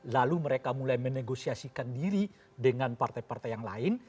lalu mereka mulai menegosiasikan diri dengan partai partai yang lain